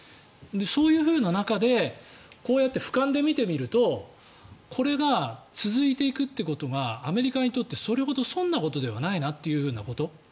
そういう中でこうやってふかんで見てみるとこれが続いていくということがアメリカにとってそれほど損なことではないなというふうなこと。